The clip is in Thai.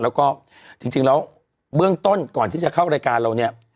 แล้วก็จริงแล้วเบื้องต้นก่อนที่จะเข้ารายการเราเนี่ย